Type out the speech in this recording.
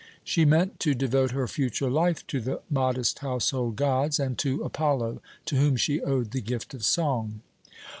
She meant to devote her future life to the modest household gods and to Apollo, to whom she owed the gift of song.